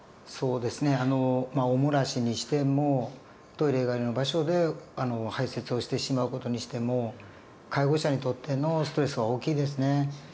そうですねまあお漏らしにしてもトイレ以外の場所で排泄をしてしまう事にしても介護者にとってのストレスは大きいですね。